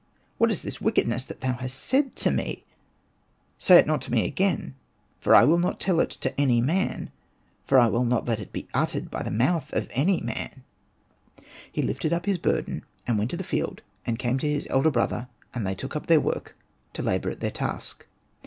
What is this wickedness that thou hast said to me ? Say it not to me again. For I will not tell it to any man, for I will not let it be uttered by the mouth of any man." He lifted up Hosted by Google 42 ANPU AND BATA his burden, and he went to the field and came to his elder brother ; and they took up their work, to labour at their task.